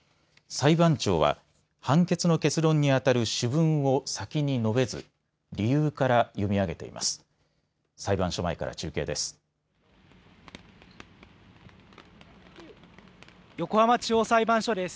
裁判長は判決の結論にあたる主文を先に述べず、理由から読み上げています。